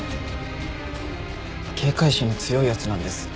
警戒心の強い奴なんです。